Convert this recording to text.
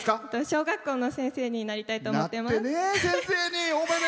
小学校の先生になりたいと思っています。